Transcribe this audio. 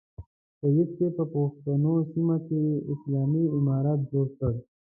سید صاحب په پښتنو سیمه کې اسلامي امارت جوړ کړ.